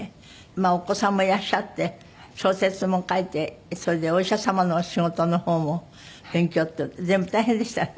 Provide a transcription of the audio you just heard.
お子さんもいらっしゃって小説も書いてそれでお医者様のお仕事の方も勉強って全部大変でしたよね？